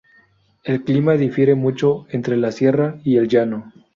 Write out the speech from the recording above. El clima difiere mucho entre la sierra y el llano.